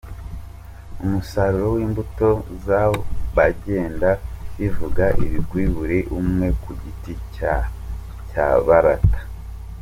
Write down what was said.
umusaruro w'imbuto zabo, bagenda bivuga ibigwi buri umwe ku giti cye barata.